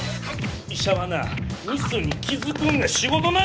医者はなミスに気づくんが仕事なんじゃ！